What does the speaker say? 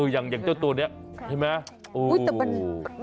อย่างเจ้าตัวนี้ใช่ไหม